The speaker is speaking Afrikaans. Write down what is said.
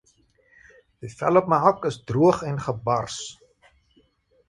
Die vel op my hak is droog en gebars.